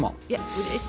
うれしい。